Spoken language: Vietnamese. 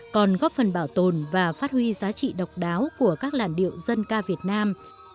còn góp phần bảo tồn và phát huy giá trị độc đáo của các làn điệu dân ca việt nam